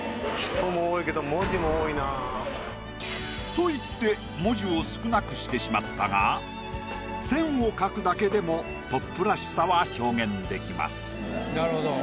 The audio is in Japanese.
と言って文字を少なくしてしまったが線を描くだけでもＰＯＰらしさは表現できます。